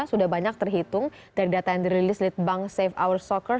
sudah banyak terhitung dari data yang dirilis di bank save our soccer